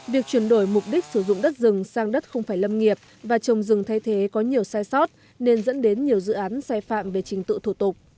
việc chuyển đổi mục đích sử dụng đất rừng sang đất không phải lâm nghiệp và trồng rừng thay thế có nhiều sai sót nên dẫn đến nhiều dự án sai sót